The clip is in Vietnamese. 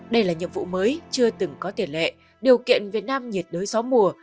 đây là nhiệm vụ mới chưa từng có tiền lệ điều kiện việt nam nhiệt đới gió mùa